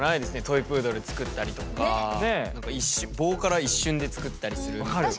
トイプードル作ったりとか何か一瞬棒から一瞬で作ったりするみたいな。